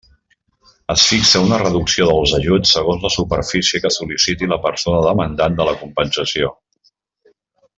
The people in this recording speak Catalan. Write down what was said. Es fixa una reducció dels ajuts segons la superfície que sol·liciti la persona demandant de la compensació.